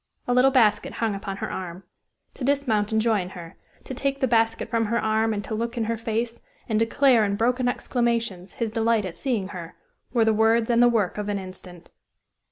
A little basket hung upon her arm. To dismount and join her, to take the basket from her arm, and to look in her face and declare in broken exclamations his delight at seeing her, were the words and the work of an instant.